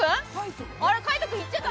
海音君行っちゃった。